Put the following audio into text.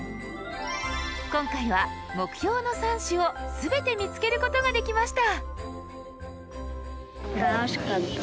今回は目標の３種を全て見つけることができました。